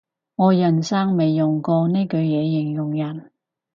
我人生未用過呢句嘢形容人